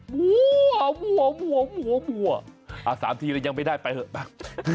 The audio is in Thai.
บัวบัวบัวสามทีแล้วยังไม่ได้ไปเหอะไป